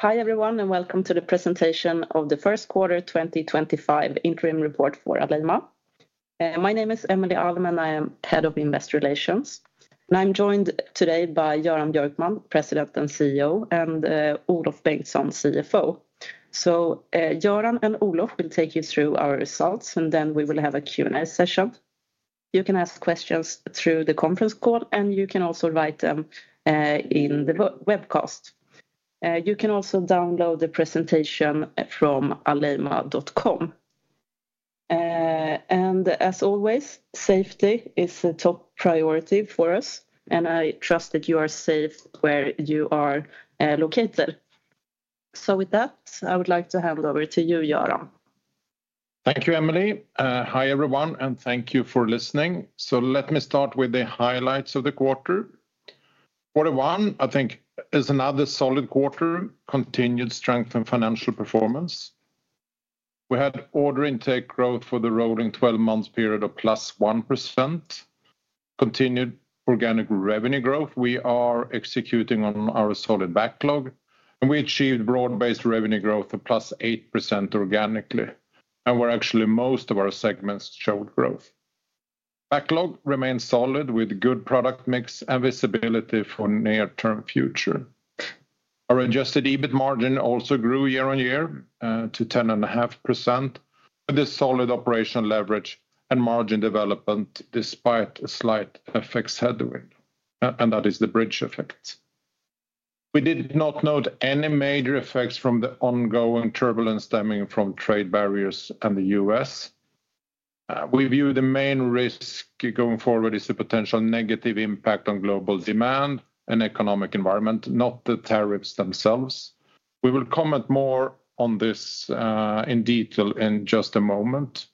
Hi everyone, and welcome to the presentation of the first quarter 2025 interim report for Alleima. My name is Emelie Alm, and I am Head of Investor Relations. I'm joined today by Göran Björkman, President and CEO, and Olof Bengtsson, CFO. Göran and Olof will take you through our results, and then we will have a Q&A session. You can ask questions through the conference call, and you can also write them in the webcast. You can also download the presentation from alleima.com. As always, safety is a top priority for us, and I trust that you are safe where you are located. With that, I would like to hand over to you, Göran. Thank you, Emelie. Hi everyone, and thank you for listening. Let me start with the highlights of the quarter. Quarter one, I think, is another solid quarter, continued strength in financial performance. We had order intake growth for the rolling 12-month period of +1%. Continued organic revenue growth. We are executing on our solid backlog, and we achieved broad-based revenue growth of +8% organically. We're actually most of our segments showed growth. Backlog remains solid with good product mix and visibility for the near-term future. Our adjusted EBIT margin also grew year on year to 10.5% with a solid operational leverage and margin development despite a slight FX headwind, and that is the bridge effect. We did not note any major effects from the ongoing turbulence stemming from trade barriers and the US. We view the main risk going forward as a potential negative impact on global demand and economic environment, not the tariffs themselves. We will comment more on this in detail in just a moment.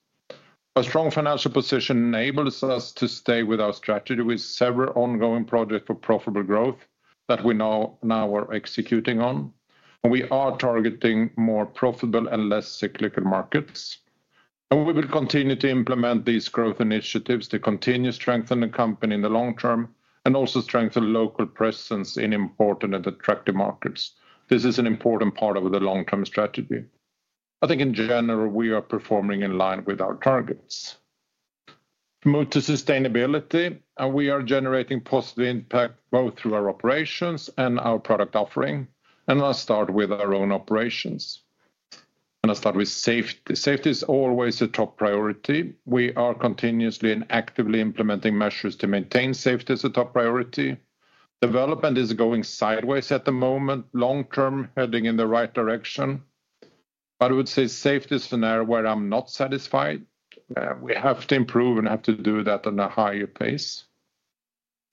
A strong financial position enables us to stay with our strategy with several ongoing projects for profitable growth that we now are executing on. We are targeting more profitable and less cyclical markets. We will continue to implement these growth initiatives to continue strengthening the company in the long term and also strengthen local presence in important and attractive markets. This is an important part of the long-term strategy. I think in general, we are performing in line with our targets. Move to sustainability. We are generating positive impact both through our operations and our product offering. I'll start with our own operations. I'll start with safety. Safety is always a top priority. We are continuously and actively implementing measures to maintain safety as a top priority. Development is going sideways at the moment, long-term heading in the right direction. I would say safety is an area where I'm not satisfied. We have to improve and have to do that at a higher pace.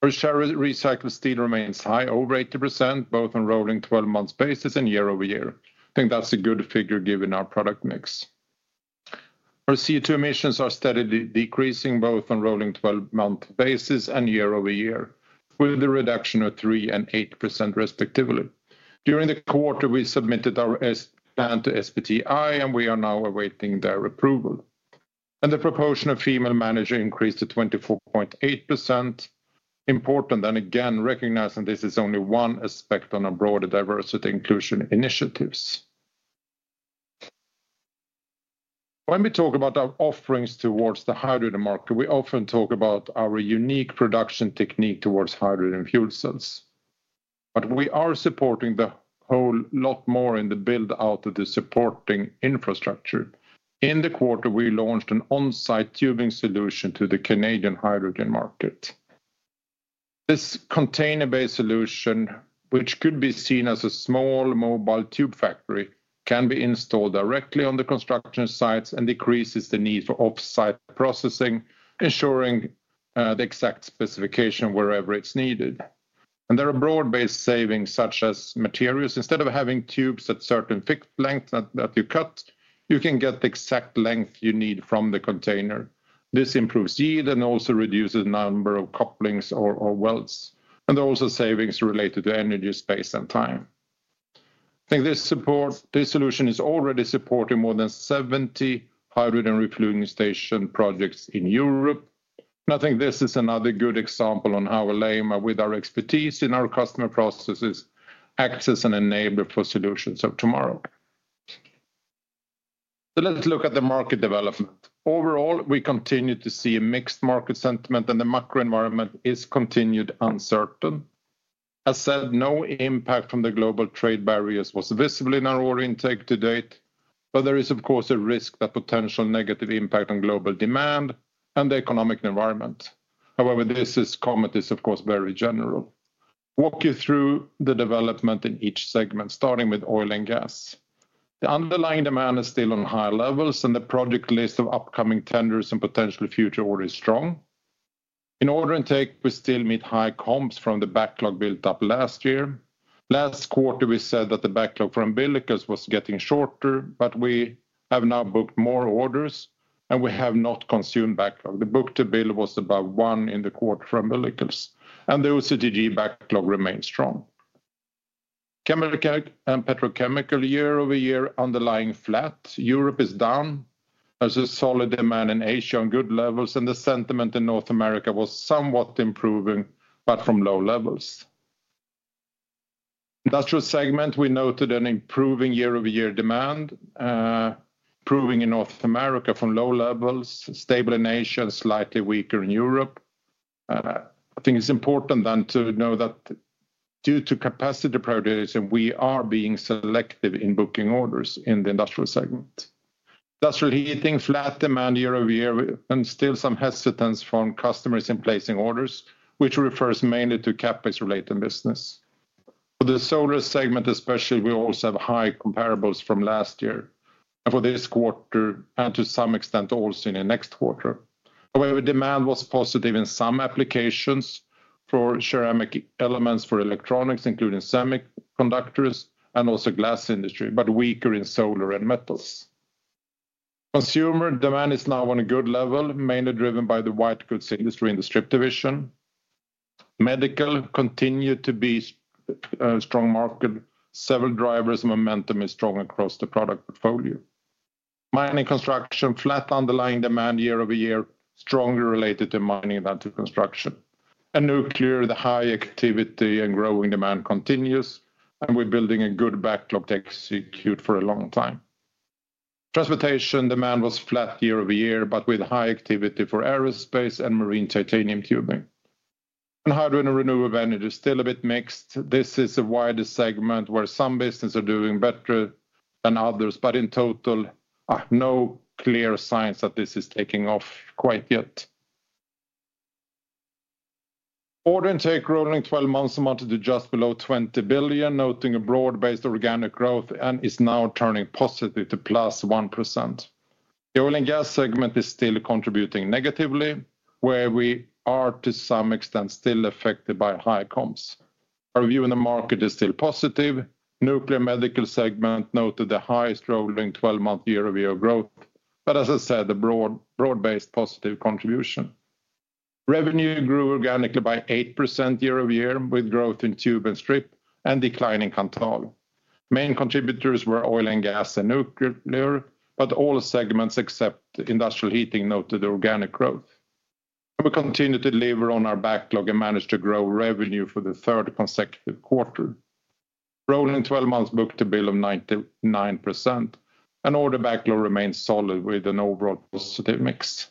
Our share of recycled steel remains high, over 80%, both on a rolling 12-month basis and year-over-year. I think that's a good figure given our product mix. Our CO2 emissions are steadily decreasing both on a rolling 12-month basis and year-over-year, with a reduction of 3% and 8% respectively. During the quarter, we submitted our plan to SBTi, and we are now awaiting their approval. The proportion of female managers increased to 24.8%. Important, and again, recognizing this is only one aspect on our broader diversity inclusion initiatives. When we talk about our offerings towards the hydrogen market, we often talk about our unique production technique towards hydrogen fuel cells. We are supporting a whole lot more in the build-out of the supporting infrastructure. In the quarter, we launched an on-site tubing solution to the Canadian hydrogen market. This container-based solution, which could be seen as a small mobile tube factory, can be installed directly on the construction sites and decreases the need for off-site processing, ensuring the exact specification wherever it's needed. There are broad-based savings such as materials. Instead of having tubes at certain fixed lengths that you cut, you can get the exact length you need from the container. This improves yield and also reduces the number of couplings or welds, and also savings related to energy, space, and time. I think this solution is already supporting more than 70 hydrogen refueling station projects in Europe. I think this is another good example on how Alleima, with our expertise in our customer processes, acts as an enabler for solutions of tomorrow. Let's look at the market development. Overall, we continue to see mixed market sentiment, and the macro environment is continued uncertain. As said, no impact from the global trade barriers was visible in our order intake to date, but there is, of course, a risk of potential negative impact on global demand and the economic environment. However, this comment is, of course, very general. Walk you through the development in each segment, starting with oil and gas. The underlying demand is still on high levels, and the project list of upcoming tenders and potential future orders is strong. In order intake, we still meet high comps from the backlog built up last year. Last quarter, we said that the backlog for umbilicals was getting shorter, but we have now booked more orders, and we have not consumed backlog. The book-to-bill was about one in the quarter for umbilicals, and the OCTG backlog remains strong. Chemical and petrochemical year-over-year underlying flat. Europe is down. There is a solid demand in Asia on good levels, and the sentiment in North America was somewhat improving, but from low levels. Industrial segment, we noted an improving year-over-year demand, improving in North America from low levels, stable in Asia, slightly weaker in Europe. I think it is important then to know that due to capacity prioritization, we are being selective in booking orders in the industrial segment. Industrial heating, flat demand year-over-year, and still some hesitance from customers in placing orders, which refers mainly to CapEx-related business. For the solar segment especially, we also have high comparables from last year for this quarter and to some extent also in the next quarter. However, demand was positive in some applications for ceramic elements for electronics, including semiconductors and also glass industry, but weaker in solar and metals. Consumer demand is now on a good level, mainly driven by the white goods industry in the Strip division. Medical continued to be a strong market. Several drivers of momentum are strong across the product portfolio. Mining construction, flat underlying demand year-over-year, strongly related to mining than to construction. Nuclear, the high activity and growing demand continues, and we're building a good backlog to execute for a long time. Transportation demand was flat year-over-year, but with high activity for aerospace and marine titanium tubing. Hydrogen and renewable energy are still a bit mixed. This is a wider segment where some businesses are doing better than others, but in total, no clear signs that this is taking off quite yet. Order intake rolling 12 months amounted to just below 20 billion, noting a broad-based organic growth and is now turning positive to plus 1%. The oil and gas segment is still contributing negatively, where we are to some extent still affected by high comps. Our view in the market is still positive. Nuclear medical segment noted the highest rolling 12-month year-over-year growth, but as I said, a broad-based positive contribution. Revenue grew organically by 8% year-over-year, with growth in Tube and Strip and declining Kanthal. Main contributors were oil and gas and nuclear, but all segments except industrial heating noted organic growth. We continued to deliver on our backlog and managed to grow revenue for the third consecutive quarter. Rolling 12 months book-to-bill of 99%, and order backlog remained solid with an overall positive mix.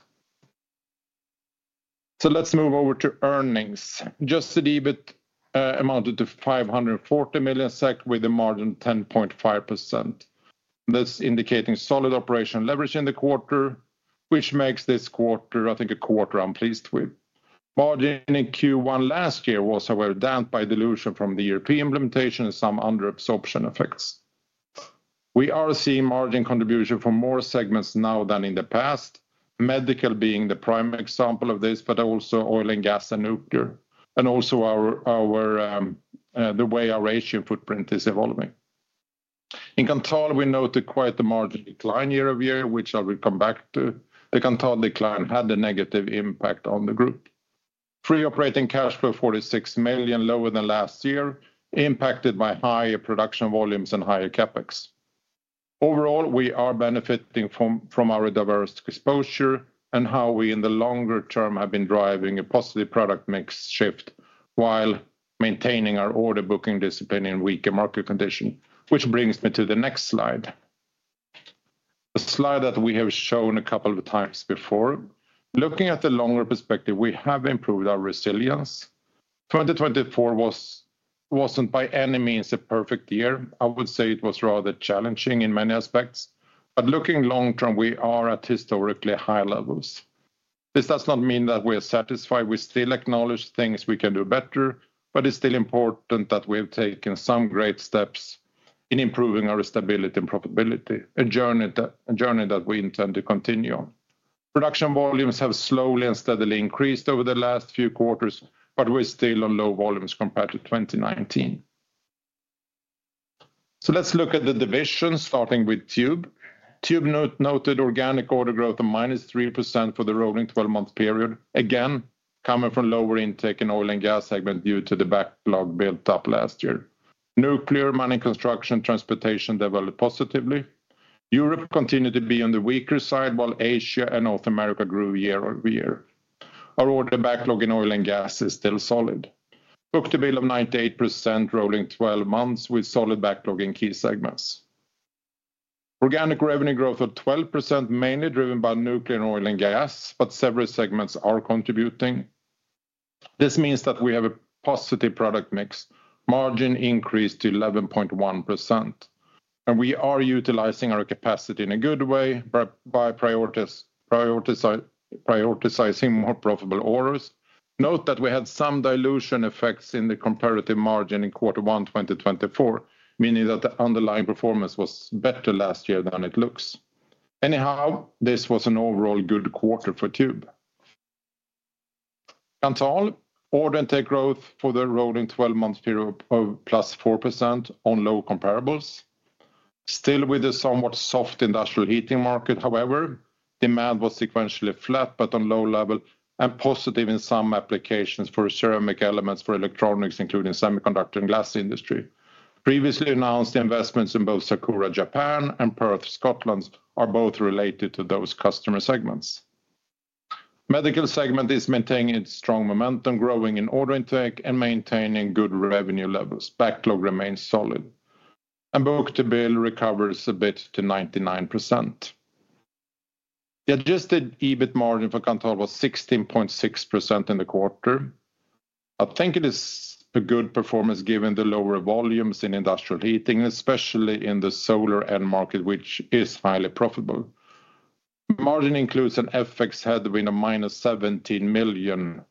Let's move over to earnings. Adjusted EBIT amounted to 540 million SEK with a margin of 10.5%. This indicating solid operational leverage in the quarter, which makes this quarter, I think, a quarter I'm pleased with. Margin in Q1 last year was, however, down by dilution from the ERP implementation and some under-absorption effects. We are seeing margin contribution from more segments now than in the past, medical being the prime example of this, but also oil and gas and nuclear, and also the way our regional footprint is evolving. In Kanthal, we noted quite a margin decline year-over-year, which I'll come back to. The Kanthal decline had a negative impact on the group. Pre-operating cash flow of 46 million, lower than last year, impacted by higher production volumes and higher CapEx. Overall, we are benefiting from our diverse exposure and how we in the longer term have been driving a positive product mix shift while maintaining our order booking discipline in weaker market condition, which brings me to the next slide. The slide that we have shown a couple of times before. Looking at the longer perspective, we have improved our resilience. 2024 was not by any means a perfect year. I would say it was rather challenging in many aspects, but looking long term, we are at historically high levels. This does not mean that we are satisfied. We still acknowledge things we can do better, but it's still important that we have taken some great steps in improving our stability and profitability, a journey that we intend to continue on. Production volumes have slowly and steadily increased over the last few quarters, but we're still on low volumes compared to 2019. Let's look at the division, starting with Tube. Tube noted organic order growth of -3% for the rolling 12-month period, again coming from lower intake in oil and gas segment due to the backlog built up last year. Nuclear, mining, construction, transportation developed positively. Europe continued to be on the weaker side, while Asia and North America grew year-over-year. Our order backlog in oil and gas is still solid. Book-to-bill of 98% rolling 12 months with solid backlog in key segments. Organic revenue growth of 12%, mainly driven by nuclear and oil and gas, but several segments are contributing. This means that we have a positive product mix. Margin increased to 11.1%. We are utilizing our capacity in a good way by prioritizing more profitable orders. Note that we had some dilution effects in the comparative margin in quarter one, 2024, meaning that the underlying performance was better last year than it looks. Anyhow, this was an overall good quarter for Tube. Kanthal, order intake growth for the rolling 12-month period of plus 4% on low comparables. Still with a somewhat soft industrial heating market, however, demand was sequentially flat but on low level and positive in some applications for ceramic elements for electronics, including semiconductor and glass industry. Previously announced investments in both Sakura, Japan and Perth, Scotland are both related to those customer segments. Medical segment is maintaining its strong momentum, growing in order intake and maintaining good revenue levels. Backlog remains solid. Book-to-bill recovers a bit to 99%. The adjusted EBIT margin for Kanthal was 16.6% in the quarter. I think it is a good performance given the lower volumes in industrial heating, especially in the solar end market, which is highly profitable. Margin includes an FX headwind of minus 17 million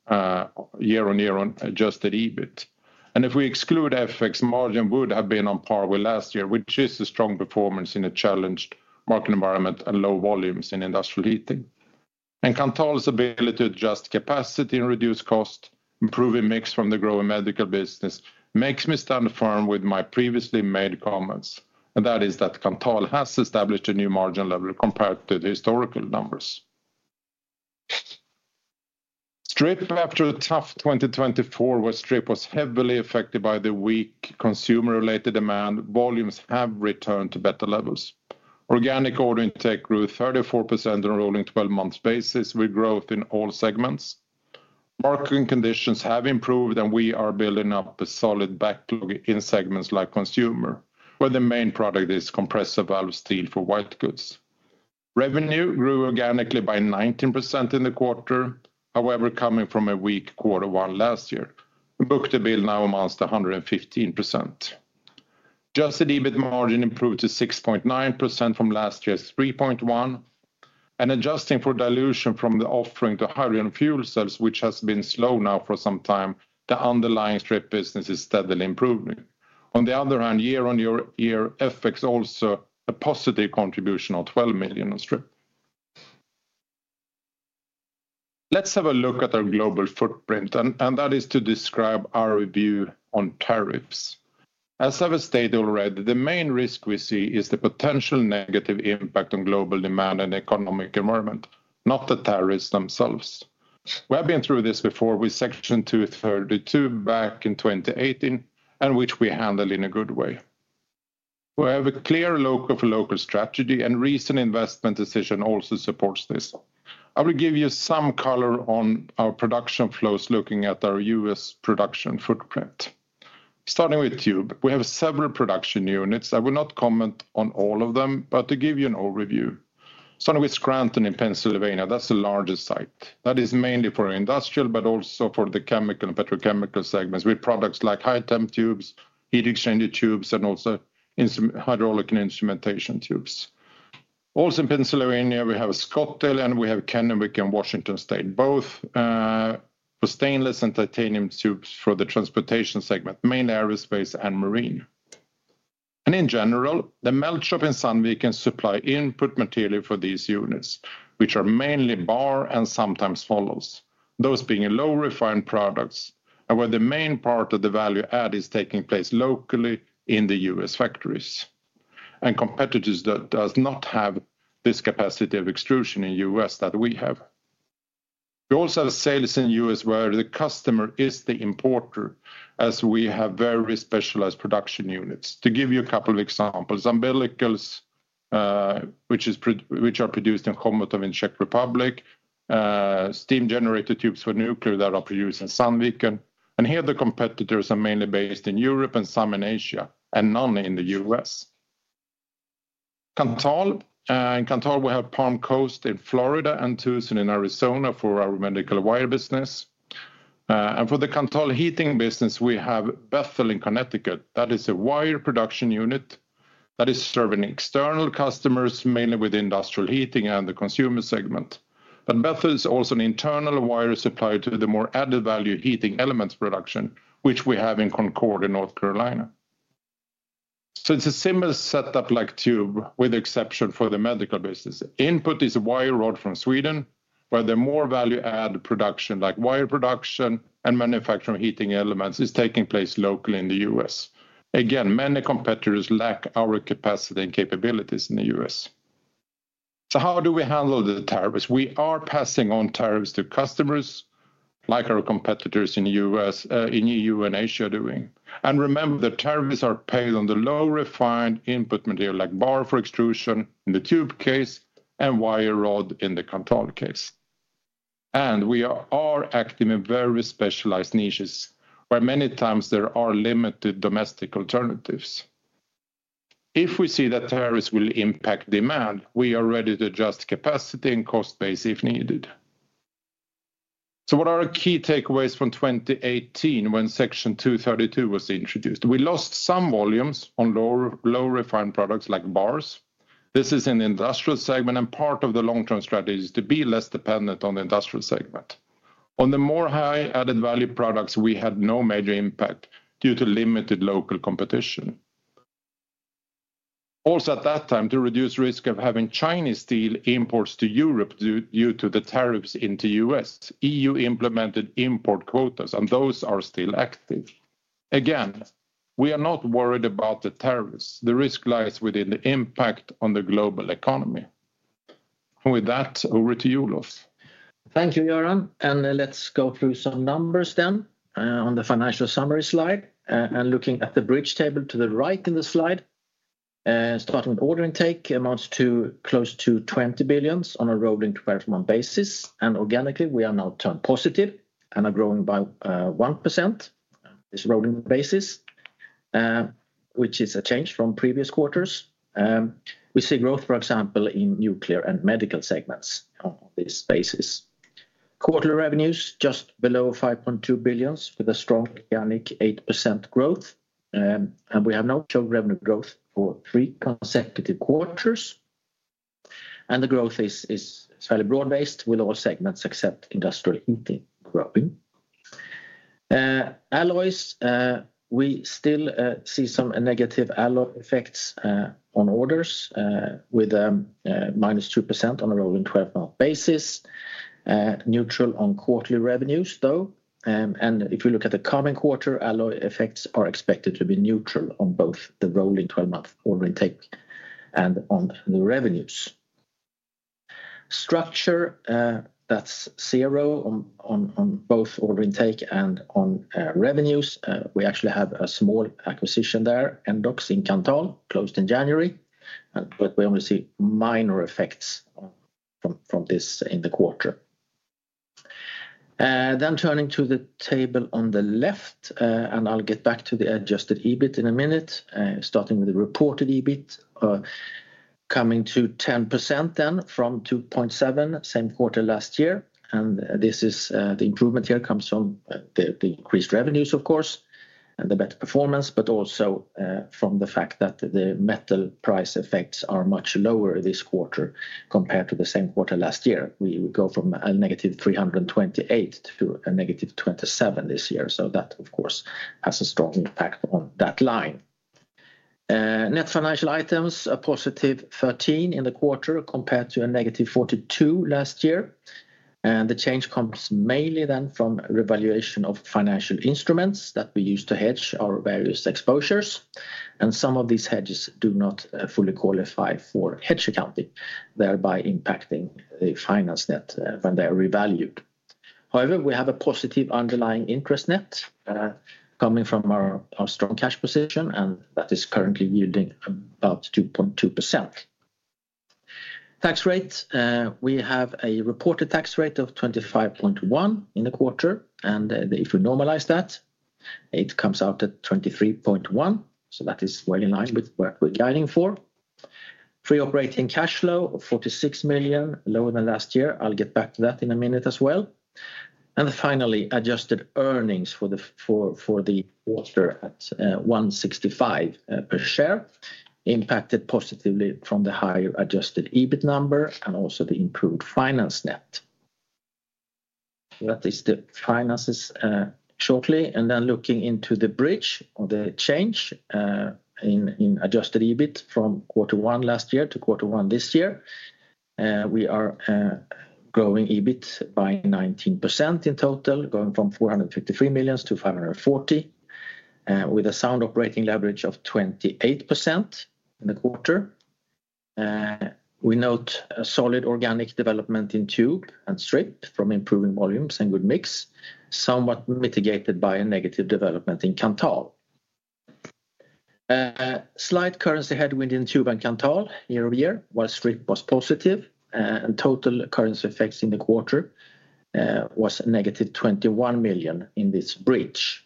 year on year on adjusted EBIT. If we exclude FX, margin would have been on par with last year, which is a strong performance in a challenged market environment and low volumes in industrial heating. Kanthal's ability to adjust capacity and reduce cost, improving mix from the growing medical business, makes me stand firm with my previously made comments. That is that Kanthal has established a new margin level compared to the historical numbers. Strip, after a tough 2024, where Strip was heavily affected by the weak consumer-related demand, volumes have returned to better levels. Organic order intake grew 34% on a rolling 12-month basis with growth in all segments. Market conditions have improved, and we are building up a solid backlog in segments like consumer, where the main product is compressor valve steel for white goods. Revenue grew organically by 19% in the quarter, however, coming from a weak quarter one last year. Book-to-bill now amounts to 115%. Adjusted EBIT margin improved to 6.9% from last year's 3.1%. Adjusting for dilution from the offering to hydrogen fuel cells, which has been slow now for some time, the underlying Strip business is steadily improving. On the other hand, year on year, FX also a positive contribution of 12 million on Strip. Let's have a look at our global footprint, and that is to describe our view on tariffs. As I've stated already, the main risk we see is the potential negative impact on global demand and economic environment, not the tariffs themselves. We have been through this before with Section 232 back in 2018, which we handled in a good way. We have a clear local for local strategy, and recent investment decision also supports this. I will give you some color on our production flows looking at our U.S. production footprint. Starting with Tube, we have several production units. I will not comment on all of them, but to give you an overview. Starting with Scranton in Pennsylvania, that's the largest site. That is mainly for industrial, but also for the chemical and petrochemical segments with products like high temp tubes, heat exchanger tubes, and also hydraulic and instrumentation tubes. Also in Pennsylvania, we have Scottdale, and we have Kennewick in Washington State, both for stainless and titanium tubes for the transportation segment, mainly aerospace and marine. In general, the melt shop in Sandviken can supply input material for these units, which are mainly bar and sometimes hollows, those being low refined products, where the main part of the value add is taking place locally in the US factories. Competitors do not have this capacity of extrusion in the U.S. that we have. We also have sales in the U.S. where the customer is the importer, as we have very specialized production units. To give you a couple of examples, umbilicals, which are produced in the Czech Republic, steam generator tubes for nuclear that are produced in Sandviken. Here, the competitors are mainly based in Europe and some in Asia and none in the U.S. In Kanthal, we have Palm Coast in Florida and Tucson in Arizona for our medical wire business. For the Kanthal heating business, we have Bethel in Connecticut. That is a wire production unit that is serving external customers, mainly with industrial heating and the consumer segment. Bethel is also an internal wire supplier to the more added value heating elements production, which we have in Concord in North Carolina. It's a similar setup like Tube with the exception for the medical business. Input is wire rod from Sweden, where the more value add production like wire production and manufacturing heating elements is taking place locally in the U.S. Again, many competitors lack our capacity and capabilities in the U.S. How do we handle the tariffs? We are passing on tariffs to customers like our competitors in the U.S. in EU and Asia doing. Remember that tariffs are paid on the low refined input material like bar for extrusion in the Tube case and wire rod in the Kanthal case. We are acting in very specialized niches where many times there are limited domestic alternatives. If we see that tariffs will impact demand, we are ready to adjust capacity and cost base if needed. What are our key takeaways from 2018 when Section 232 was introduced? We lost some volumes on low refined products like bars. This is an industrial segment, and part of the long-term strategy is to be less dependent on the industrial segment. On the more high added value products, we had no major impact due to limited local competition. Also, at that time, to reduce risk of having Chinese steel imports to Europe due to the tariffs into the U.S. the EU implemented import quotas, and those are still active. Again, we are not worried about the tariffs. The risk lies within the impact on the global economy. With that, over to you, Olof. Thank you, Göran. Let's go through some numbers then on the financial summary slide and looking at the bridge table to the right in the slide. Starting with order intake amounts to close to 20 billion on a rolling 12-month basis, and organically, we are now turned positive and are growing by 1% on this rolling basis, which is a change from previous quarters. We see growth, for example, in nuclear and medical segments on this basis. Quarterly revenues just below 5.2 billion with a strong organic 8% growth, and we have now shown revenue growth for three consecutive quarters. The growth is fairly broad-based with all segments except industrial heating growing. Alloys, we still see some negative alloy effects on orders with a minus 2% on a rolling 12-month basis. Neutral on quarterly revenues, though. If you look at the coming quarter, alloy effects are expected to be neutral on both the rolling 12-month order intake and on the revenues. Structure, that's zero on both order intake and on revenues. We actually have a small acquisition there, Endox in Kanthal, closed in January, but we only see minor effects from this in the quarter. Turning to the table on the left, and I'll get back to the adjusted EBIT in a minute, starting with the reported EBIT, coming to 10% then from 2.7% same quarter last year. This is the improvement here comes from the increased revenues, of course, and the better performance, but also from the fact that the metal price effects are much lower this quarter compared to the same quarter last year. We go from a -328 million to a -27 million this year. That, of course, has a strong impact on that line. Net financial items are positive 13 million in the quarter compared to a - 42 million last year. The change comes mainly then from revaluation of financial instruments that we use to hedge our various exposures. Some of these hedges do not fully qualify for hedge accounting, thereby impacting the finance net when they are revalued. However, we have a positive underlying interest net coming from our strong cash position, and that is currently yielding about 2.2%. Tax rate, we have a reported tax rate of 25.1% in the quarter, and if we normalize that, it comes out at 23.1%. That is well in line with what we're guiding for. Free operating cash flow of 46 million, lower than last year. I'll get back to that in a minute as well. Finally, adjusted earnings for the quarter at 1.65 per share impacted positively from the higher adjusted EBIT number and also the improved finance net. That is the finances shortly. Looking into the bridge or the change in adjusted EBIT from quarter one last year to quarter one this year, we are growing EBIT by 19% in total, going from 453 million to 540 million, with a sound operating leverage of 28% in the quarter. We note a solid organic development in Tube and Strip from improving volumes and good mix, somewhat mitigated by a negative development in Kanthal. Slight currency headwind in Tube and Kanthal year-over-year, while Strip was positive, and total currency effects in the quarter was -21 million in this bridge.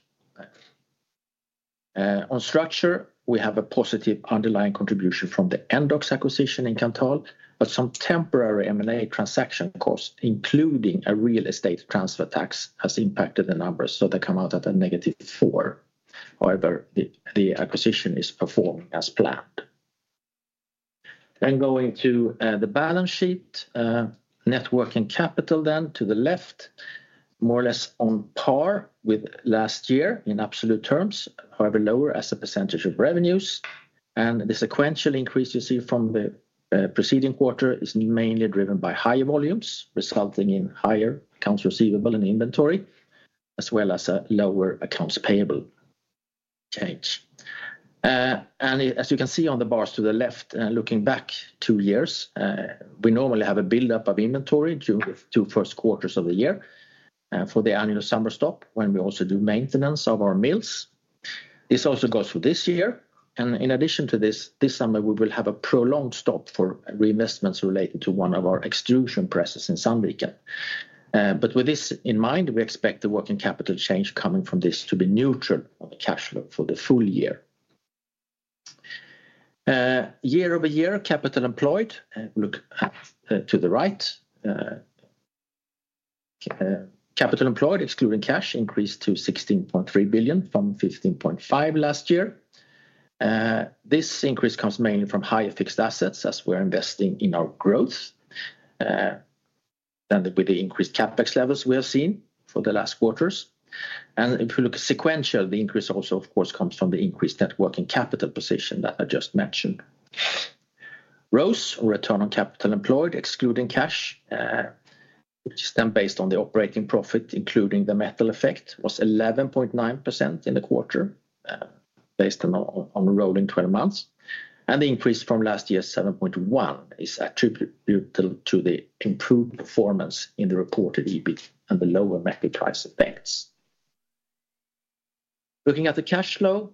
On structure, we have a positive underlying contribution from the Endox acquisition in Kanthal, but some temporary M&A transaction costs, including a real estate transfer tax, have impacted the numbers, so they come out at a -4 million. However, the acquisition is performing as planned. Going to the balance sheet, net working capital then to the left, more or less on par with last year in absolute terms, however, lower as a percentage of revenues. The sequential increase you see from the preceding quarter is mainly driven by higher volumes, resulting in higher accounts receivable and inventory, as well as a lower accounts payable change. As you can see on the bars to the left, looking back two years, we normally have a buildup of inventory during the two first quarters of the year for the annual summer stop when we also do maintenance of our mills. This also goes for this year. In addition to this, this summer, we will have a prolonged stop for reinvestments related to one of our extrusion presses in Sandviken. With this in mind, we expect the working capital change coming from this to be neutral on the cash flow for the full year. Year- over-year, capital employed, look to the right. Capital employed, excluding cash, increased to 16.3 billion from 15.5 billion last year. This increase comes mainly from higher fixed assets as we are investing in our growth, then with the increased CapEx levels we have seen for the last quarters. If you look at sequential, the increase also, of course, comes from the increased networking capital position that I just mentioned. ROCE, return on capital employed, excluding cash, which is then based on the operating profit, including the metal effect, was 11.9% in the quarter based on rolling 12 months. The increase from last year's 7.1% is attributable to the improved performance in the reported EBIT and the lower metal price effects. Looking at the cash flow,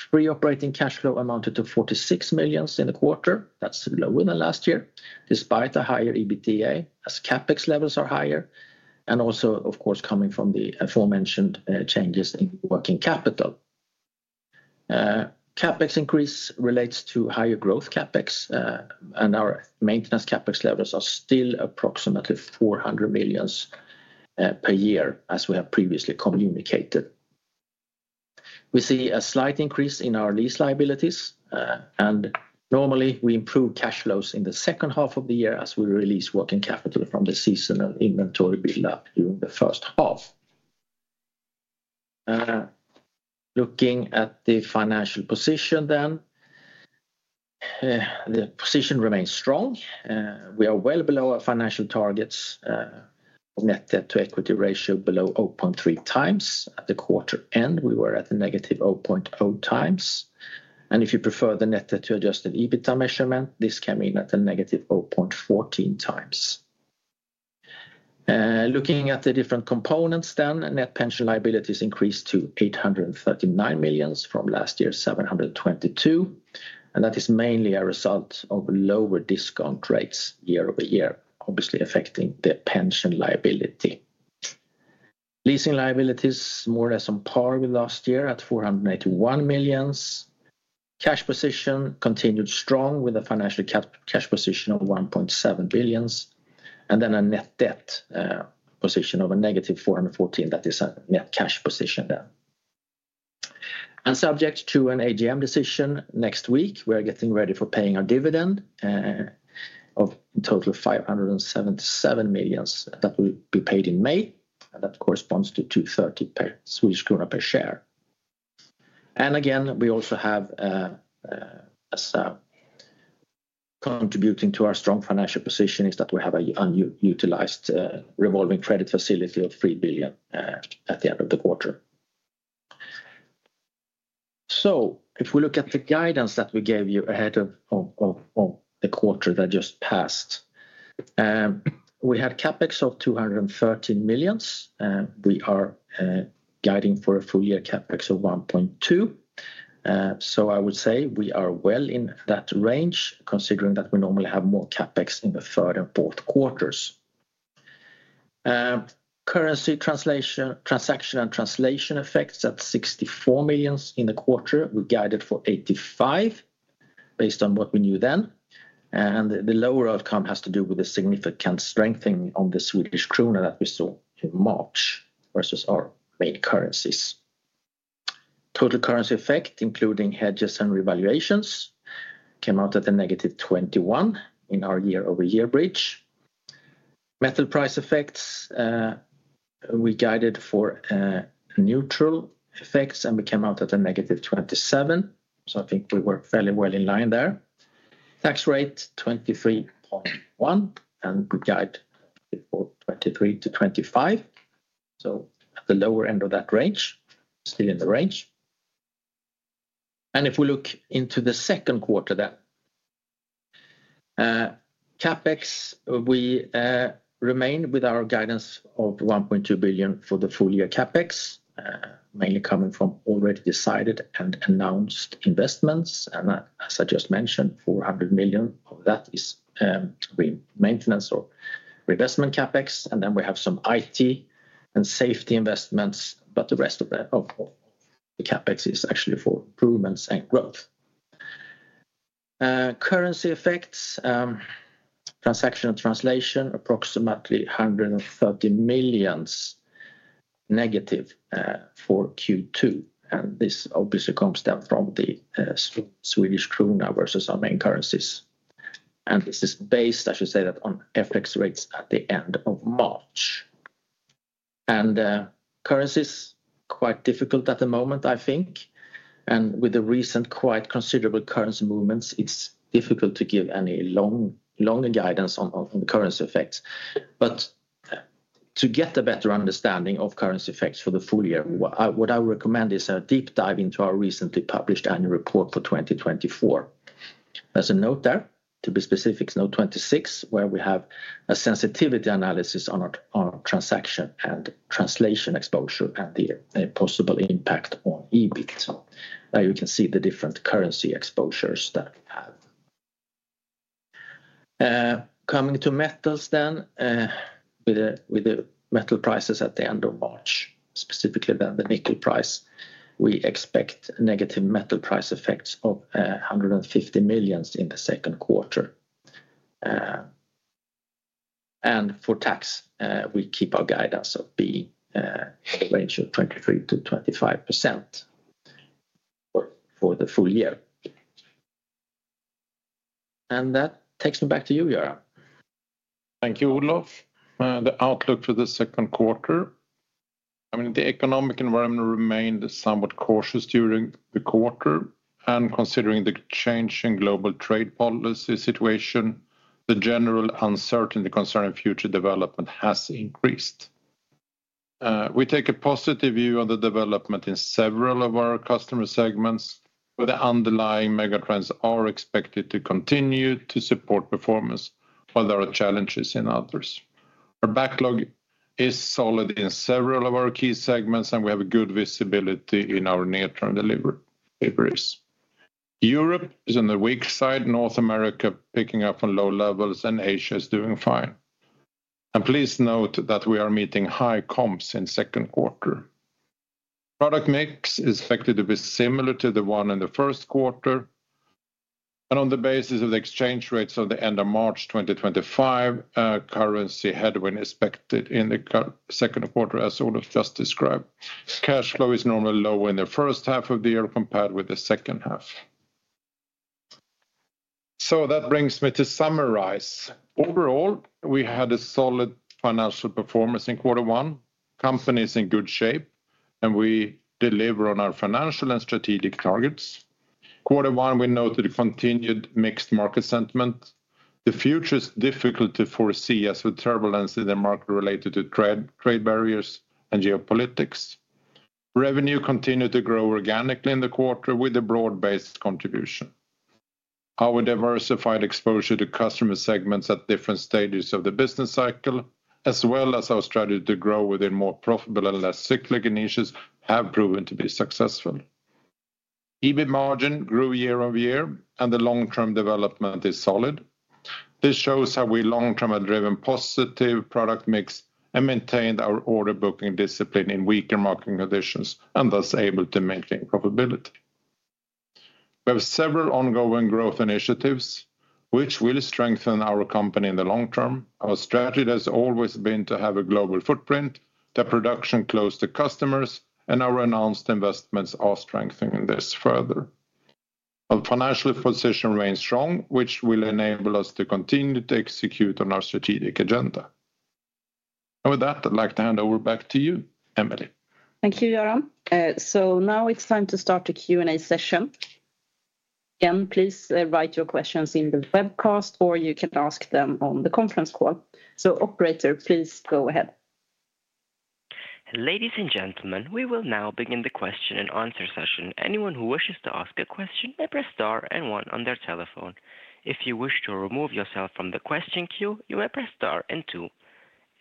free operating cash flow amounted to 46 million in the quarter. That's lower than last year, despite a higher EBITDA as CapEx levels are higher, and also, of course, coming from the aforementioned changes in working capital. CapEx increase relates to higher growth CapEx, and our maintenance CapEx levels are still approximately 400 million per year, as we have previously communicated. We see a slight increase in our lease liabilities, and normally, we improve cash flows in the second half of the year as we release working capital from the seasonal inventory buildup during the first half. Looking at the financial position then, the position remains strong. We are well below our financial targets of net debt to equity ratio below 0.3 times. At the quarter end, we were at a - 0.0 times. If you prefer the net debt to adjusted EBITDA measurement, this came in at a - 0.14 times. Looking at the different components then, net pension liabilities increased to 839 million from last year's 722 million. That is mainly a result of lower discount rates year-over-year, obviously affecting the pension liability. Leasing liabilities more or less on par with last year at 481 million. Cash position continued strong with a financial cash position of 1.7 billion, and then a net debt position of a -414 million. That is a net cash position then. Subject to an AGM decision next week, we are getting ready for paying our dividend of a total of 577 million that will be paid in May. That corresponds to 230 Swedish krona per share. Again, we also have contributing to our strong financial position is that we have an unutilized revolving credit facility of 3 billion at the end of the quarter. If we look at the guidance that we gave you ahead of the quarter that just passed, we had CapEx of 213 million. We are guiding for a full year CapEx of 1.2 billion. I would say we are well in that range, considering that we normally have more CapEx in the third and fourth quarters. Currency transaction and translation effects at 64 million in the quarter. We guided for 85 million based on what we knew then. The lower outcome has to do with the significant strengthening on the Swedish krona that we saw in March versus our main currencies. Total currency effect, including hedges and revaluations, came out at a -21 million in our year-over-year bridge. Metal price effects, we guided for neutral effects, and we came out at a -27 million. I think we were fairly well in line there. Tax rate 23.1%, and we guide for 23%-25%, so at the lower end of that range, still in the range. If we look into the second quarter then, CapEx, we remain with our guidance of 1.2 billion for the full year CapEx, mainly coming from already decided and announced investments. As I just mentioned, 400 million of that is maintenance or reinvestment CapEx. Then we have some IT and safety investments, but the rest of the CapEx is actually for improvements and growth. Currency effects, transaction and translation, approximately 130 million negative for Q2. This obviously comes then from the Swedish krona versus our main currencies. This is based, I should say, on FX rates at the end of March. Currencies are quite difficult at the moment, I think. With the recent quite considerable currency movements, it's difficult to give any longer guidance on the currency effects. To get a better understanding of currency effects for the full year, what I recommend is a deep dive into our recently published annual report for 2024. There is a note there, to be specific, note 26, where we have a sensitivity analysis on our transaction and translation exposure and the possible impact on EBIT. There you can see the different currency exposures that we have. Coming to metals then, with the metal prices at the end of March, specifically the nickel price, we expect negative metal price effects of 150 million in the second quarter. For tax, we keep our guidance of a range of 23%-25% for the full year. That takes me back to you, Göran. Thank you, Olof. The outlook for the second quarter, I mean, the economic environment remained somewhat cautious during the quarter. Considering the changing global trade policy situation, the general uncertainty concerning future development has increased. We take a positive view on the development in several of our customer segments, where the underlying megatrends are expected to continue to support performance, while there are challenges in others. Our backlog is solid in several of our key segments, and we have good visibility in our near-term delivery. Europe is on the weak side, North America picking up on low levels, and Asia is doing fine. Please note that we are meeting high comps in the second quarter. Product mix is expected to be similar to the one in the first quarter. On the basis of the exchange rates of the end of March 2025, currency headwind is expected in the second quarter, as Olof just described. Cash flow is normally lower in the first half of the year compared with the second half. That brings me to summarize. Overall, we had a solid financial performance in quarter one. Company is in good shape, and we deliver on our financial and strategic targets. Quarter one, we noted continued mixed market sentiment. The future is difficult to foresee as with turbulence in the market related to trade barriers and geopolitics. Revenue continued to grow organically in the quarter with a broad-based contribution. Our diversified exposure to customer segments at different stages of the business cycle, as well as our strategy to grow within more profitable and less cyclical niches, have proven to be successful. EBIT margin grew year-over-year, and the long-term development is solid. This shows how we long-term have driven positive product mix and maintained our order booking discipline in weaker market conditions, and thus able to maintain profitability. We have several ongoing growth initiatives, which will strengthen our company in the long term. Our strategy has always been to have a global footprint, the production close to customers, and our announced investments are strengthening this further. Our financial position remains strong, which will enable us to continue to execute on our strategic agenda. With that, I'd like to hand over back to you, Emelie. Thank you, Göran. Now it's time to start the Q&A session. Again, please write your questions in the webcast, or you can ask them on the conference call. Operator, please go ahead. Ladies and gentlemen, we will now begin the question and answer session. Anyone who wishes to ask a question may press star and one on their telephone. If you wish to remove yourself from the question queue, you may press star and two.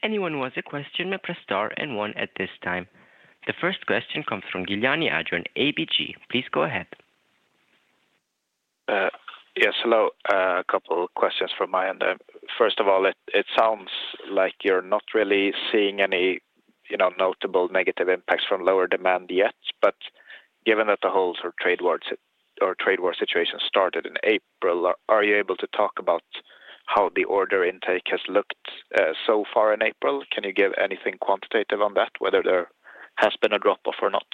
Anyone who has a question may press star and one at this time. The first question comes from Gilani Adrian, ABG. Please go ahead. Yes, hello. A couple of questions from my end. First of all, it sounds like you're not really seeing any notable negative impacts from lower demand yet. Given that the whole trade war situation started in April, are you able to talk about how the order intake has looked so far in April? Can you give anything quantitative on that, whether there has been a drop-off or not?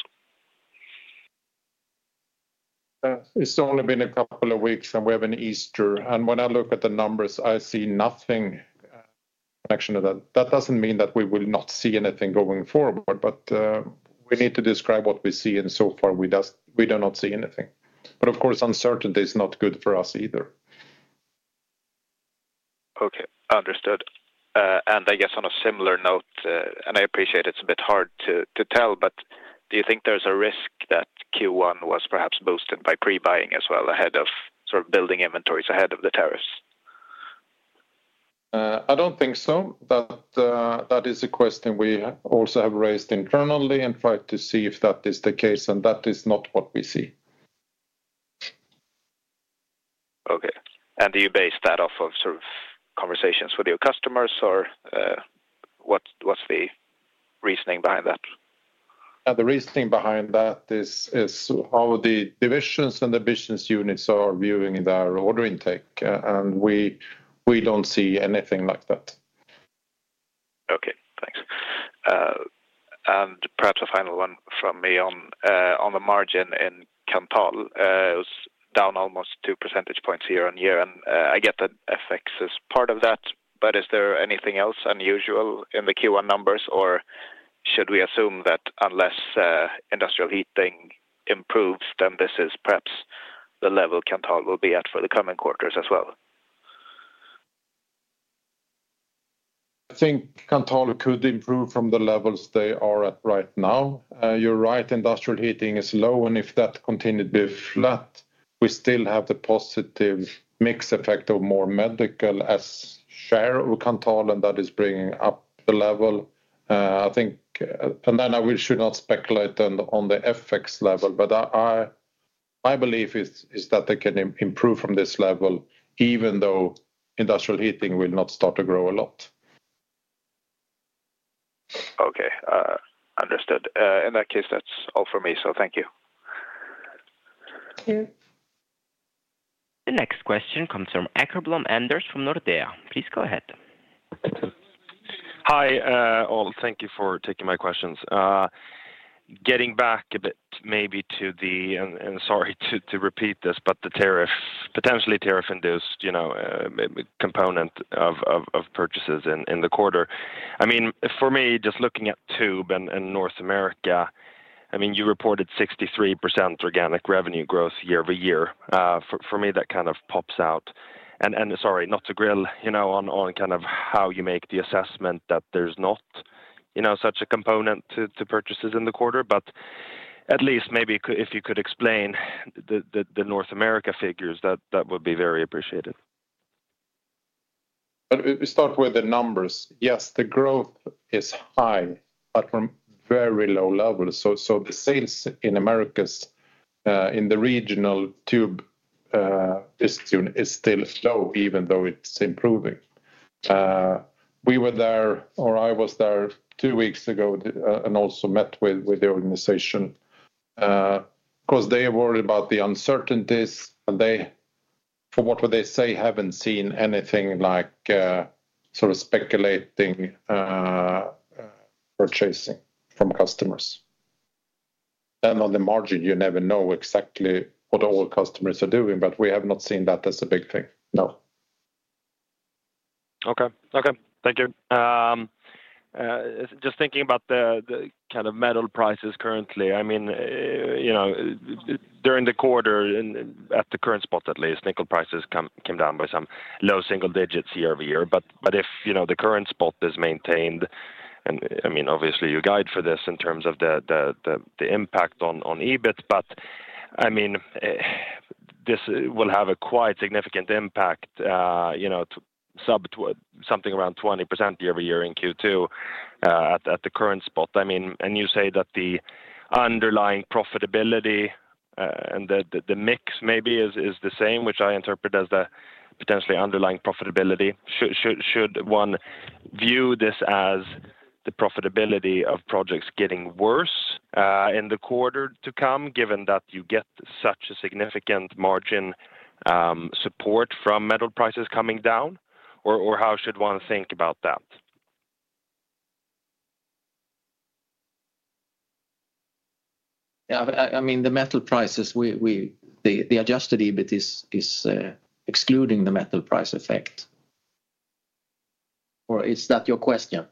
It's only been a couple of weeks, and we have an Easter. When I look at the numbers, I see nothing in connection to that. That does not mean that we will not see anything going forward, but we need to describe what we see, and so far, we do not see anything. Of course, uncertainty is not good for us either. Okay, understood. I guess on a similar note, and I appreciate it is a bit hard to tell, but do you think there is a risk that Q1 was perhaps boosted by pre-buying as well ahead of building inventories ahead of the tariffs? I do not think so. That is a question we also have raised internally and tried to see if that is the case, and that is not what we see. Okay. Do you base that off of conversations with your customers, or what is the reasoning behind that? The reasoning behind that is how the divisions and the business units are viewing their order intake, and we do not see anything like that. Okay, thanks. Perhaps a final one from me on the margin in Kanthal. It was down almost two percentage points year on year, and I get that FX is part of that, but is there anything else unusual in the Q1 numbers, or should we assume that unless industrial heating improves, then this is perhaps the level Kanthal will be at for the coming quarters as well? I think Kanthal could improve from the levels they are at right now. You're right, industrial heating is low, and if that continued to be flat, we still have the positive mix effect of more medical as share of Kanthal, and that is bringing up the level. I think, and then I should not speculate on the FX level, but my belief is that they can improve from this level, even though industrial heating will not start to grow a lot. Okay, understood. In that case, that's all for me, so thank you. Thank you. The next question comes from Åkerblom Anders from Nordea. Please go ahead. Hi all. Thank you for taking my questions. Getting back a bit maybe to the, and sorry to repeat this, but the potentially tariff-induced component of purchases in the quarter. For me, just looking at Tube and North America, you reported 63% organic revenue growth year-over-year. For me, that kind of pops out. Sorry, not to grill on how you make the assessment that there's not such a component to purchases in the quarter, but at least maybe if you could explain the North America figures, that would be very appreciated. We start with the numbers. Yes, the growth is high, but from very low levels. The sales in the regional Tube business unit is still low, even though it's improving. We were there, or I was there two weeks ago, and also met with the organization. Of course, they worry about the uncertainties, and they, for what would they say, have not seen anything like speculating purchasing from customers. On the margin, you never know exactly what all customers are doing, but we have not seen that as a big thing, no. Okay, thank you. Just thinking about the metal prices currently, during the quarter, at the current spot at least, nickel prices came down by some low single digits year-over-year. If the current spot is maintained, and obviously you guide for this in terms of the impact on EBIT, this will have a quite significant impact, something around 20% year-over-year in Q2 at the current spot. You say that the underlying profitability and the mix maybe is the same, which I interpret as the potentially underlying profitability. Should one view this as the profitability of projects getting worse in the quarter to come, given that you get such a significant margin support from metal prices coming down? How should one think about that? Yeah, I mean, the metal prices, the adjusted EBIT is excluding the metal price effect. Or is that your question?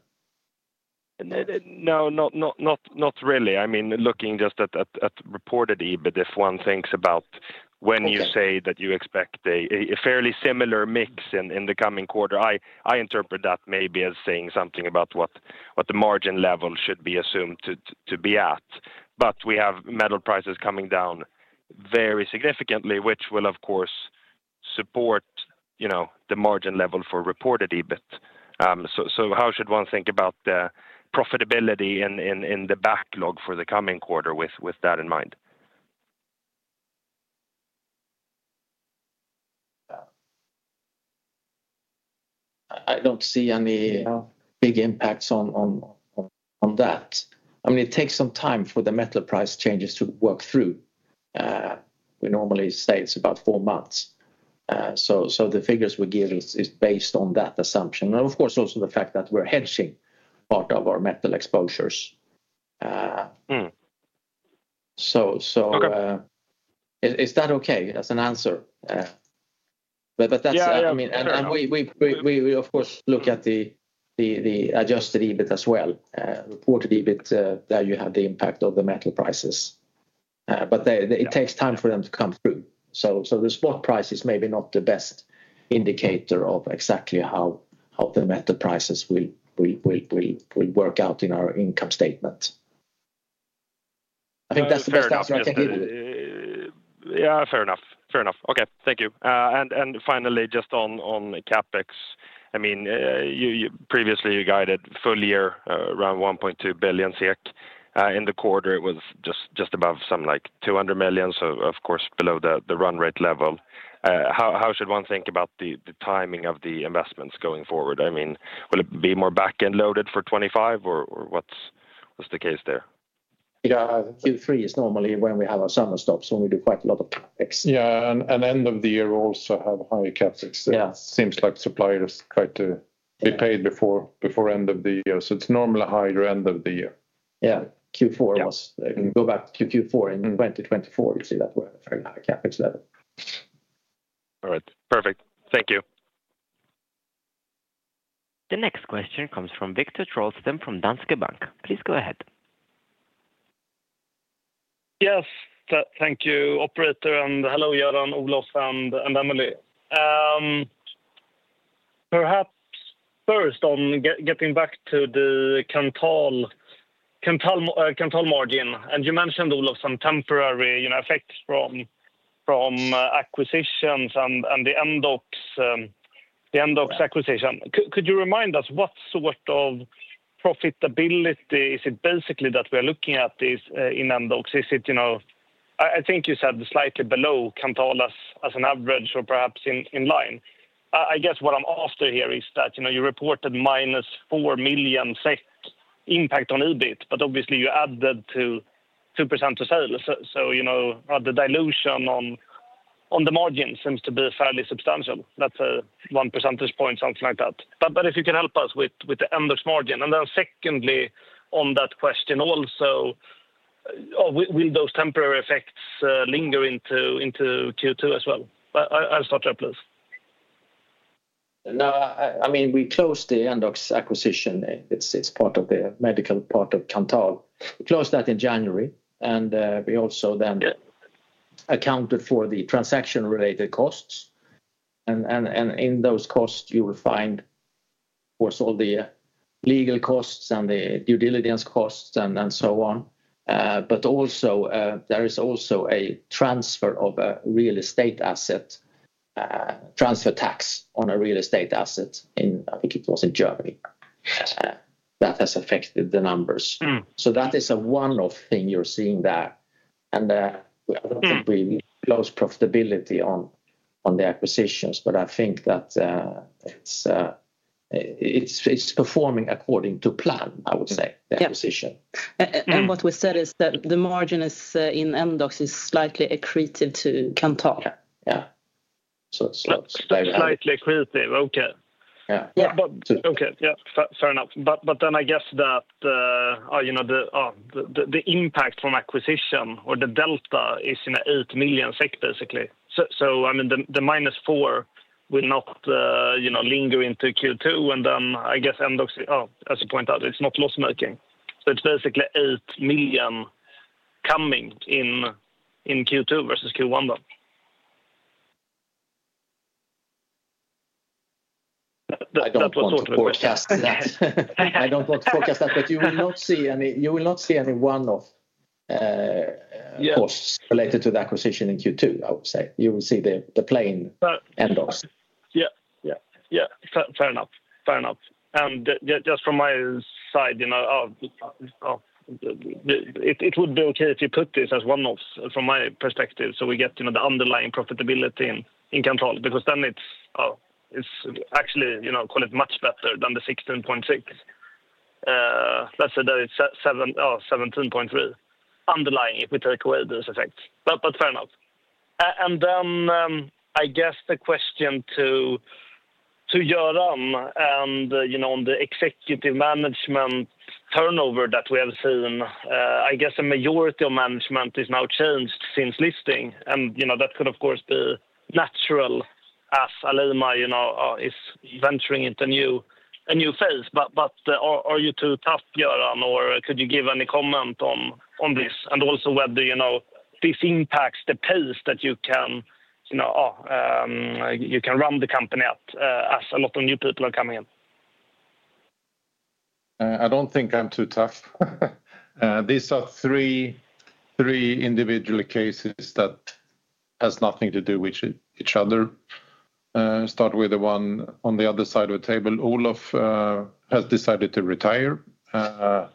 No, not really. Looking just at reported EBIT, if one thinks about when you say that you expect a fairly similar mix in the coming quarter, I interpret that maybe as saying something about what the margin level should be assumed to be at. We have metal prices coming down very significantly, which will, of course, support the margin level for reported EBIT. How should one think about the profitability in the backlog for the coming quarter with that in mind? I don't see any big impacts on that. It takes some time for the metal price changes to work through. We normally say it's about four months. The figures we give are based on that assumption. Of course, also the fact that we're hedging part of our metal exposures. Is that okay as an answer? That's it. We, of course, look at the adjusted EBIT as well. Reported EBIT, there you have the impact of the metal prices. It takes time for them to come through. The spot price is maybe not the best indicator of exactly how the metal prices will work out in our income statement. I think that's the best answer I can give. Yeah, fair enough. Fair enough. Okay, thank you. Finally, just on CapEx, previously you guided full year around 1.2 billion SEK. In the quarter, it was just above some 200 million, so of course, below the run rate level. How should one think about the timing of the investments going forward? Will it be more back-end loaded for 2025, or what's the case there? Yeah, Q3 is normally when we have our summer stops, when we do quite a lot of CapEx. Yeah, and end of the year also have high CapEx. It seems like suppliers try to be paid before end of the year. It is normally higher end of the year. Yeah, Q4 was. Go back to Q4 in 2024, you see that we're at a very high CapEx level. All right, perfect. Thank you. The next question comes from Viktor Trollsten from Danske Bank. Please go ahead. Yes, thank you, Operator, and hello, Göran, Olof, and Emelie. Perhaps first on getting back to the Kanthal margin. You mentioned, Olof, some temporary effects from acquisitions and the Endox acquisition. Could you remind us what sort of profitability is it basically that we are looking at in Endox? I think you said slightly below Kanthal as an average or perhaps in line. I guess what I'm after here is that you reported -4 million impact on EBIT, but obviously you added to 2% of sales. The dilution on the margin seems to be fairly substantial. That is a one percentage point, something like that. If you can help us with the Endox margin. Then secondly, on that question also, will those temporary effects linger into Q2 as well? I'll start there, please. No, we closed the Endox acquisition. It's part of the medical part of Kanthal. We closed that in January, and we also then accounted for the transaction-related costs. In those costs, you will find, of course, all the legal costs and the due diligence costs and so on. There is also a transfer of a real estate asset transfer tax on a real estate asset in, I think it was in Germany. That has affected the numbers. That is a one-off thing you're seeing there. I don't think we closed profitability on the acquisitions, but I think that it's performing according to plan, I would say, the acquisition. What was said is that the margin in Endox is slightly accretive to Kanthal. Yeah, so it's slightly accretive. Okay. Yeah, fair enough. I guess that the impact from acquisition or the delta is 8 million SEK, basically. The minus four will not linger into Q2. I guess Endox, as you point out, is not loss-making. It is basically SEK 8 million coming in Q2 versus Q1 then. I do not forecast that. I do not forecast that, but you will not see any one-off costs related to the acquisition in Q2, I would say. You will see the plain Endox. Yeah, fair enough. Fair enough. Just from my side, it would be okay if you put this as one-off from my perspective, so we get the underlying profitability in Kanthal, because then it is actually, call it much better than the 16.6. Let's say that it is 17.3 underlying if we take away those effects. Fair enough. I guess the question to Göran and the executive management turnover that we have seen, I guess a majority of management is now changed since listing. That could, of course, be natural as Alleima is venturing into a new phase. Are you too tough, Göran, or could you give any comment on this? Also, whether this impacts the pace that you can run the company at as a lot of new people are coming in. I do not think I am too tough. These are three individual cases that have nothing to do with each other. Start with the one on the other side of the table. Olof has decided to retire. Of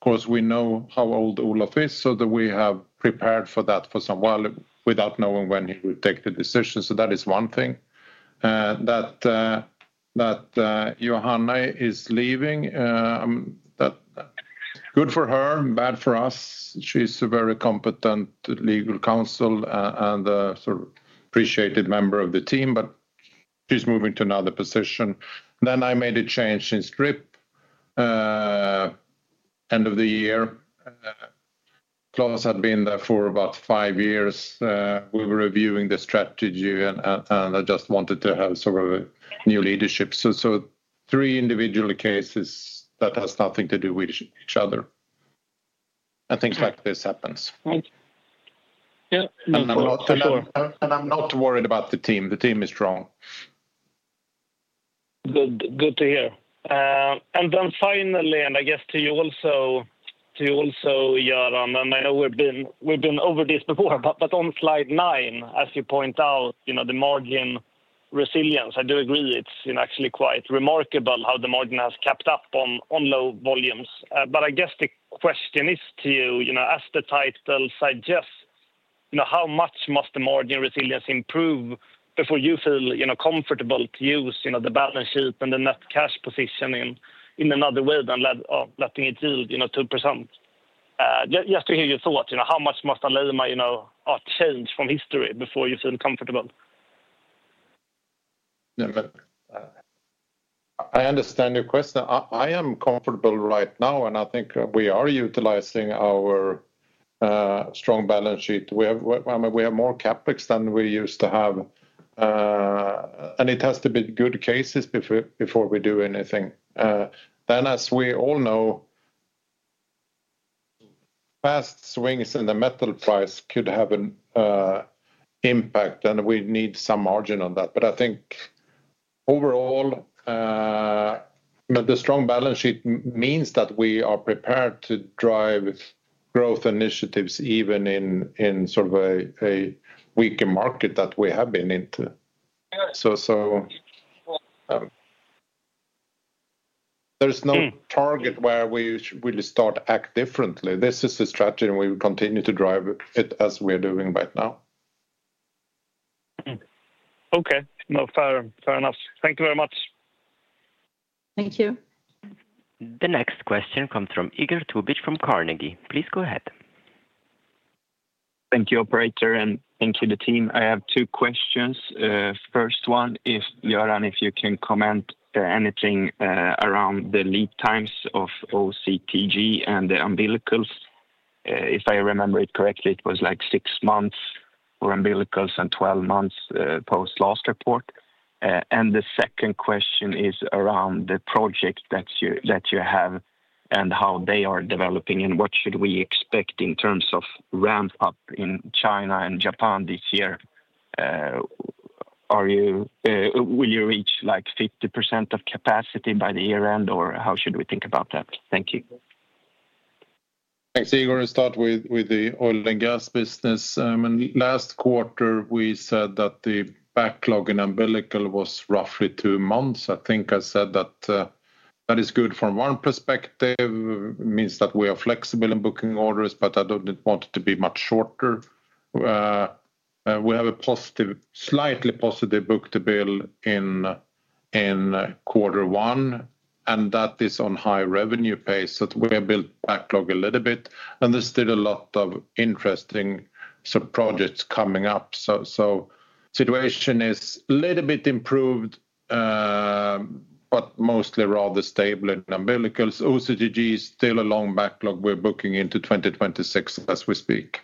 course, we know how old Olof is, so we have prepared for that for some while without knowing when he will take the decision. That is one thing. That Johanna is leaving, good for her, bad for us. She's a very competent legal counsel and an appreciated member of the team, but she's moving to another position. I made a change in Strip end of the year. Claes had been there for about five years. We were reviewing the strategy, and I just wanted to have a new leadership. Three individual cases that have nothing to do with each other. I think this happens. I'm not worried about the team. The team is strong. Good to hear. Finally, and I guess to you also, Göran, and I know we've been over this before, but on slide nine, as you point out, the margin resilience, I do agree it's actually quite remarkable how the margin has kept up on low volumes. But I guess the question is to you, as the title suggests, how much must the margin resilience improve before you feel comfortable to use the balance sheet and the net cash position in another way than letting it yield 2%? Just to hear your thought, how much must Alleima change from history before you feel comfortable? I understand your question. I am comfortable right now, and I think we are utilizing our strong balance sheet. We have more CapEx than we used to have. It has to be good cases before we do anything. As we all know, fast swings in the metal price could have an impact, and we need some margin on that. I think overall, the strong balance sheet means that we are prepared to drive growth initiatives even in a weaker market that we have been into. There is no target where we really start to act differently. This is the strategy, and we will continue to drive it as we are doing right now. Okay, fair enough. Thank you very much. Thank you. The next question comes from Igor Tubic from Carnegie. Please go ahead. Thank you, Operator, and thank you, the team. I have two questions. First one, Göran, if you can comment anything around the lead times of OCTG and the umbilicals. If I remember it correctly, it was like six months for umbilicals and 12 months post-last report. The second question is around the project that you have and how they are developing and what should we expect in terms of ramp-up in China and Japan this year. Will you reach 50% of capacity by the year end, or how should we think about that? Thank you. Thanks. You're going to start with the oil and gas business. Last quarter, we said that the backlog in umbilicals was roughly two months. I think I said that is good from one perspective. It means that we are flexible in booking orders, but I don't want it to be much shorter. We have a slightly positive book-to-bill in quarter one, and that is on high revenue pace. We have built backlog a little bit, and there's still a lot of interesting projects coming up. The situation is a little bit improved, but mostly rather stable in umbilicals. OCTG is still a long backlog. We're booking into 2026 as we speak.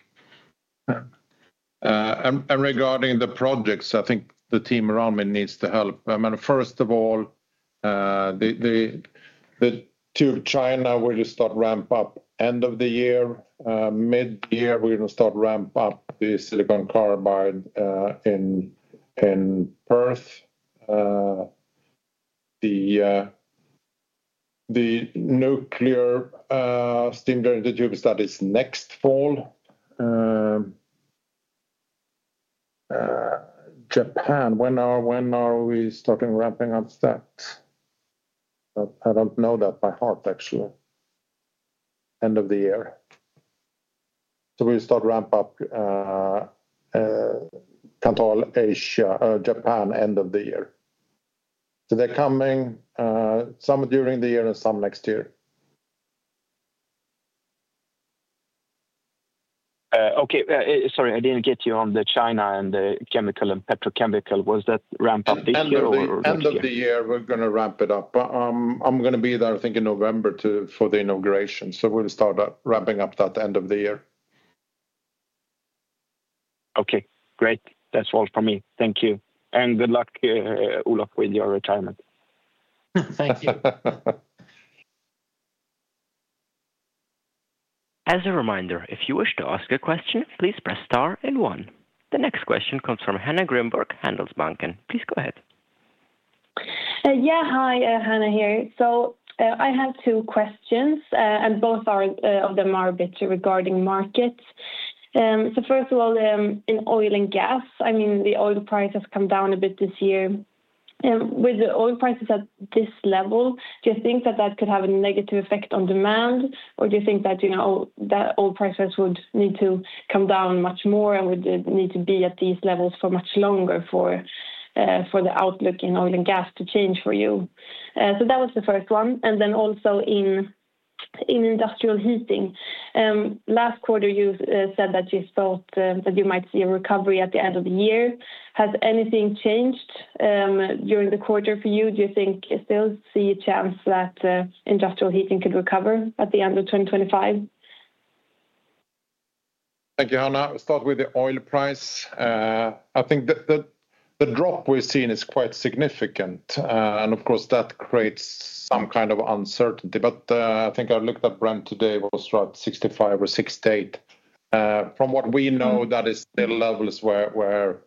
Regarding the projects, I think the team around me needs to help. First of all, the Tube China will start ramp-up end of the year. Mid-year, we're going to start ramp-up the silicon carbide in Perth. The nuclear steam generator tube studies next fall. Japan, when are we starting ramping up that? I don't know that by heart, actually. End of the year. We'll start ramp-up Kanthal, Asia, Japan end of the year. They're coming some during the year and some next year. Okay. Sorry, I didn't get you on the China and the chemical and petrochemical. Was that ramp-up this year or next year? End of the year, we're going to ramp it up. I'm going to be there, I think, in November for the inauguration. We'll start ramping up that end of the year. Okay. Great. That's all for me. Thank you. And good luck, Olof, with your retirement. Thank you. As a reminder, if you wish to ask a question, please press star and one. The next question comes from Hanna Grimborg, Handelsbanken. Please go ahead. Yeah, hi, Hanna here. I have two questions, and both of them are a bit regarding markets. First of all, in oil and gas, I mean, the oil price has come down a bit this year. With the oil prices at this level, do you think that that could have a negative effect on demand, or do you think that oil prices would need to come down much more and would need to be at these levels for much longer for the outlook in oil and gas to change for you? That was the first one. Also, in industrial heating, last quarter, you said that you thought that you might see a recovery at the end of the year. Has anything changed during the quarter for you? Do you think you still see a chance that industrial heating could recover at the end of 2025? Thank you, Hanna. Start with the oil price. I think the drop we've seen is quite significant. Of course, that creates some kind of uncertainty. I think I looked at Brent today, it was right at $65 or $68. From what we know, that is still levels where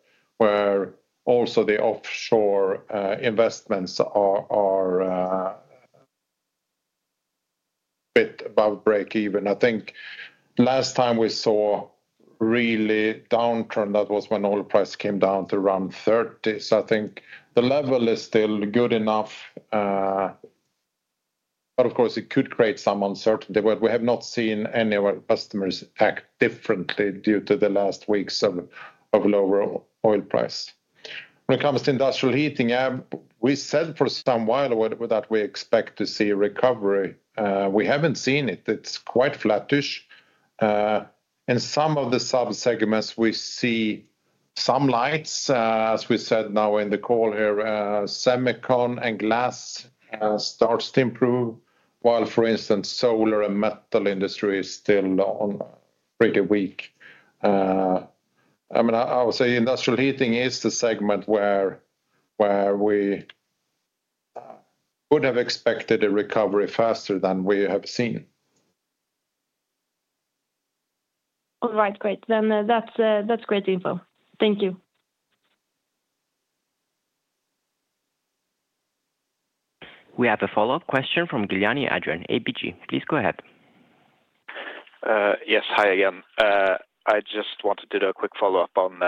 also the offshore investments are a bit about break-even. I think last time we saw really downturn, that was when oil price came down to around $30. I think the level is still good enough. Of course, it could create some uncertainty. We have not seen any of our customers act differently due to the last weeks of lower oil price. When it comes to industrial heating, we said for some while that we expect to see recovery. We haven't seen it. It's quite flattish. In some of the subsegments, we see some lights, as we said now in the call here. Semicon and glass starts to improve, while, for instance, solar and metal industry is still pretty weak. I mean, I would say industrial heating is the segment where we would have expected a recovery faster than we have seen. All right, great. That's great info. Thank you. We have a follow-up question from Gilani Adrian, ABG. Please go ahead. Yes, hi again. I just wanted to do a quick follow-up on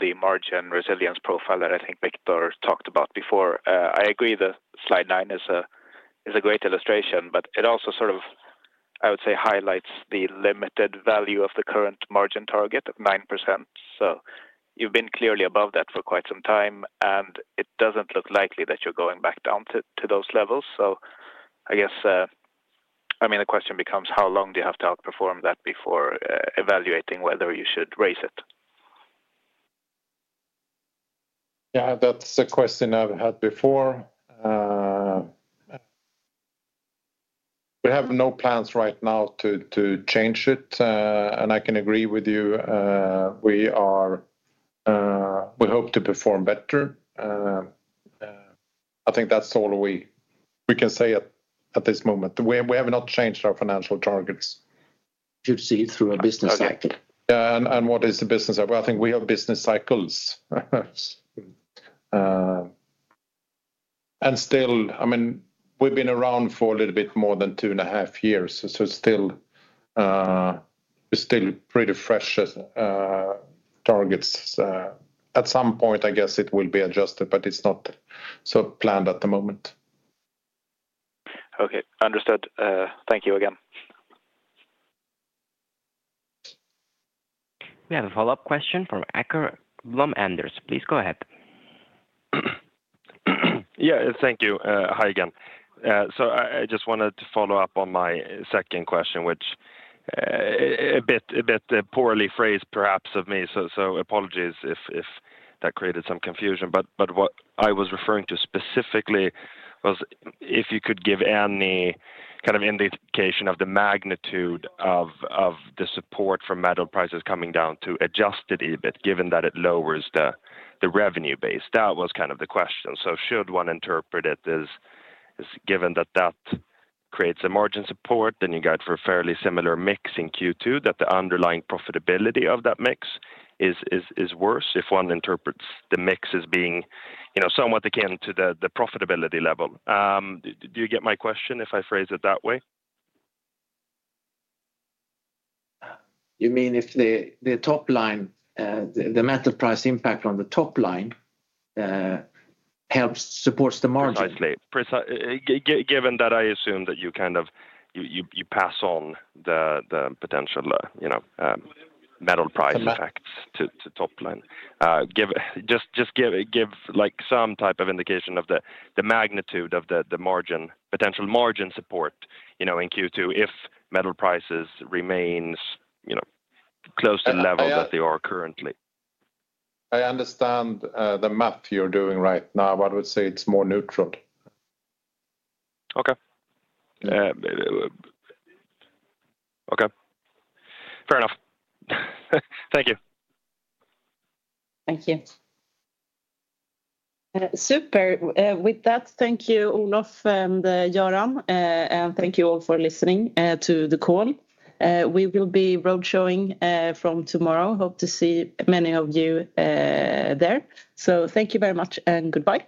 the margin resilience profile that I think Viktor talked about before. I agree that slide nine is a great illustration, but it also sort of, I would say, highlights the limited value of the current margin target of 9%. You have been clearly above that for quite some time, and it does not look likely that you are going back down to those levels. I guess, I mean, the question becomes, how long do you have to outperform that before evaluating whether you should raise it? That is a question I have had before. We have no plans right now to change it. I can agree with you. We hope to perform better. I think that is all we can say at this moment. We have not changed our financial targets. To see through a business cycle. Yeah. What is the business cycle? I think we have business cycles. Still, I mean, we have been around for a little bit more than two and a half years, so we are still pretty fresh targets. At some point, I guess it will be adjusted, but it is not so planned at the moment. Okay. Understood. Thank you again. We have a follow-up question from Åkerblom Anders. Please go ahead. Yeah, thank you. Hi again. I just wanted to follow up on my second question, which is a bit poorly phrased, perhaps, of me. Apologies if that created some confusion. What I was referring to specifically was if you could give any kind of indication of the magnitude of the support for metal prices coming down to adjusted EBIT, given that it lowers the revenue base. That was kind of the question. Should one interpret it as, given that that creates a margin support, then you got for a fairly similar mix in Q2, that the underlying profitability of that mix is worse if one interprets the mix as being somewhat akin to the profitability level. Do you get my question if I phrase it that way? You mean if the metal price impact on the top line helps support the margin? Exactly. Given that I assume that you kind of pass on the potential metal price effects to top line. Just give some type of indication of the magnitude of the potential margin support in Q2 if metal prices remain close to the level that they are currently. I understand the math you're doing right now, but I would say it's more neutral. Okay. Okay. Fair enough. Thank you. Thank you. Super. With that, thank you, Olof and Göran. And thank you all for listening to the call. We will be roadshowing from tomorrow. Hope to see many of you there. Thank you very much and goodbye.